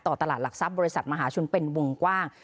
ตลาดหลักทรัพย์บริษัทมหาชนเป็นวงกว้าง